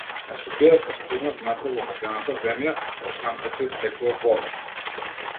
Место тие да се втурнат внатре во ветената земја, од рамката истекува вода.